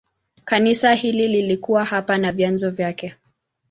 Kanisa hili lilikuwa hapa na vyanzo vyake.